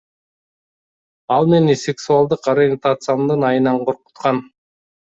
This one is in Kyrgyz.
Ал мени сексуалдык ориентациямдын айынан коркуткан.